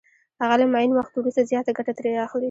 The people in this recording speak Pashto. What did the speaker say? هغه له معین وخت وروسته زیاته ګټه ترې اخلي